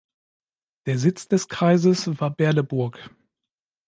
Der Sitz des Kreises war Berleburg.